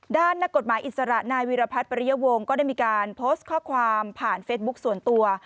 ด้านนักกฎหมายอิสระนายวิรพัฒน์ปริยวงศ์ก็ได้มีการโพสต์ข้อความผ่านเฟซบุ๊คส่วนตัว